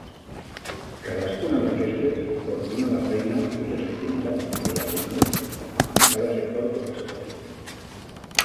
Cadascuna d'aquestes coordina la feina i les activitats relacionades amb cada sector corresponent.